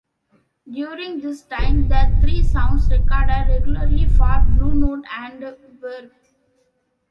During this time, The Three Sounds recorded regularly for Blue Note and Verve.